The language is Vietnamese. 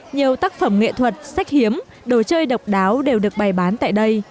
nhiều tác phẩm nghệ thuật sách hiếm đồ chơi độc đáo đều được bày bán tại đây